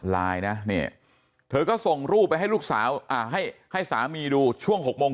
ไลน์นะเนี่ยเธอก็ส่งรูปไปให้ลูกสาวให้สามีดูช่วง๖โมง